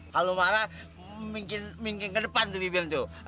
kalau marah minkeng ke depan tuh bibir tuh